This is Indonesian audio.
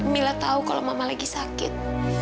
mila tahu kalau mama lagi sakit